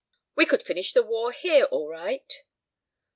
"We could finish the war here all right."